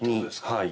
はい。